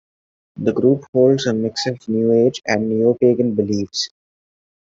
The group holds a mix of New Age and neopagan beliefs.